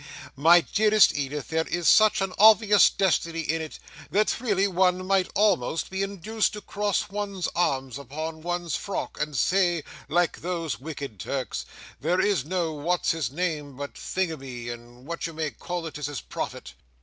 My dearest Edith, there is such an obvious destiny in it, that really one might almost be induced to cross one's arms upon one's frock, and say, like those wicked Turks, there is no What's his name but Thingummy, and What you may call it is his prophet!"